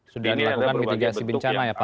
sudah dilakukan mitigasi bencana ya pak